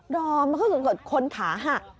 รอมันก็คือคนขาหัก